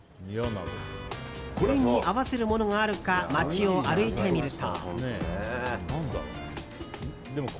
これに合わせるものがあるか街を歩いてみると。